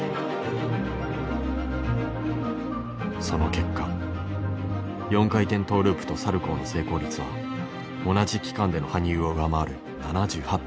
その結果４回転トーループとサルコーの成功率は同じ期間での羽生を上回る７８％。